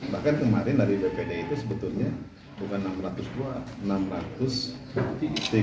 bahkan kemarin dari bpd itu sebetulnya bukan enam ratus dua enam ratus berarti tiga puluh delapan